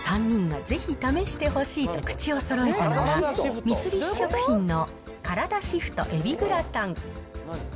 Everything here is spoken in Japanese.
３人がぜひ試してほしいと口をそろえたのが、三菱食品のからだシフトえびグラタン。